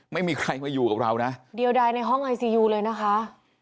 ไม่มีใครมาอยู่กับเรานะเดียวใดในห้องไอซียูเลยนะคะ